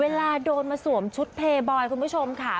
โดนมาสวมชุดเพย์บอยคุณผู้ชมค่ะ